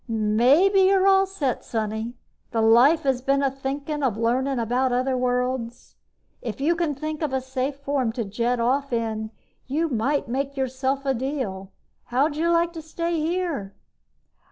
"Maybe you're all set, Sonny. The Life has been thinkin' of learning about other worlds. If you can think of a safe form to jet off in, you might make yourself a deal. How'd you like to stay here?"